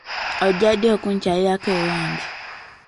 Ojja ddi okunkyalirako ewange?